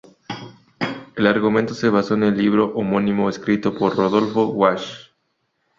El argumento se basó en el libro homónimo escrito por Rodolfo Walsh.